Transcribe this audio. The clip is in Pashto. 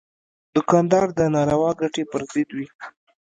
دوکاندار د ناروا ګټې پر ضد وي.